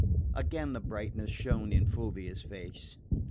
Again the brightness shone in Fulvia's face.